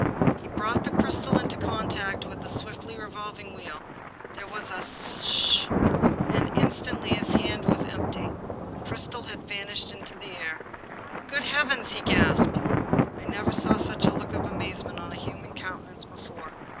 He brought the crystal into contact with the swiftly revolving wheel. There was a s — s — sh ! And, in an instant, his hand was empty; the crystal had van ished into air. " Good heavens !" he gasped. I never saw such a look of amazement on a human countenance before.